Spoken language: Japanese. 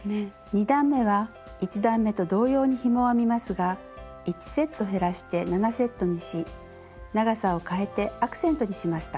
２段めは１段めと同様にひもを編みますが１セット減らして７セットにし長さを変えてアクセントにしました。